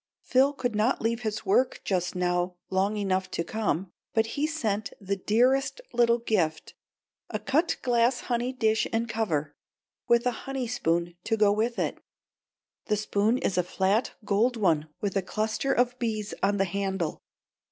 Phil could not leave his work just now long enough to come, but he sent the dearest little gift a cut glass honey dish and cover, with a honey spoon to go with it. The spoon is a flat gold one with a cluster of bees on the handle.